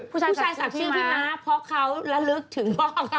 ผู้ชายศักดิ์ชื่อพี่ม้าเพราะเขาละลึกถึง